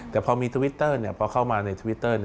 แต่พอมีทวิตเตอร์พอเข้ามาในทวิตเตอร์